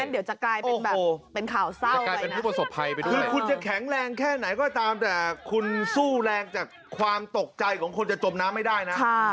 เดี๋ยวจะกลายเป็นแบบเป็นข่าวเศร้าจะกลายเป็นผู้ประสบภัยไปด้วยคือคุณจะแข็งแรงแค่ไหนก็ตามแต่คุณสู้แรงจากความตกใจของคนจะจมน้ำไม่ได้นะ